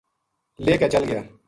لے کے چل گیا